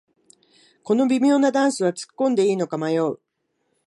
この微妙なダンスはつっこんでいいのか迷う